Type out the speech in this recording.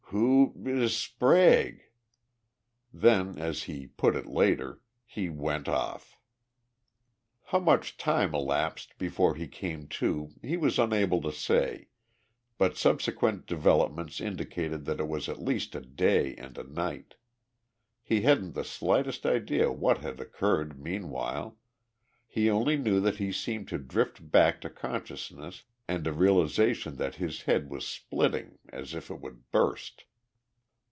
"Who is Sprague?" Then, as he put it later, he "went off." How much time elapsed before he came to he was unable to say, but subsequent developments indicated that it was at least a day and a night. He hadn't the slightest idea what had occurred meanwhile he only knew that he seemed to drift back to consciousness and a realization that his head was splitting as if it would burst.